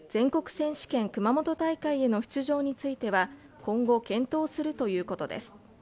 選手権熊本大会への出場については今後検討するということです。